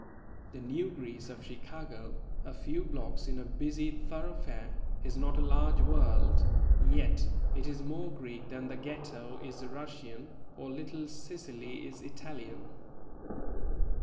The New Greece of Chicago, a few blocks in a busy thoroughfare, is not a large world, yet it is more Greek than the Ghetto is Russian or Little Sicily is Italian.